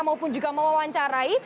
maupun juga mewawancarai